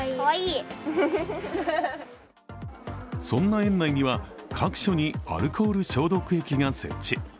そんな園内には各所にアルコール消毒液が設置。